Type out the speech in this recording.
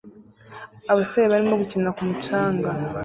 Abasore barimo gukina ku mucanga